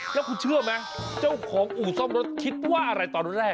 แล้วคุณเชื่อไหมเจ้าของอู่ซ่อมรถคิดว่าอะไรตอนแรก